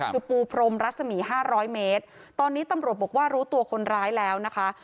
คือปูพรมรัศมี๕๐๐เมตรตอนนี้ตำรวจบอกว่ารู้ตัวคนร้ายแล้วนะคะ